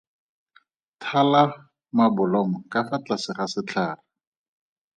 Thala mabolomo ka fa tlase ga setlhare.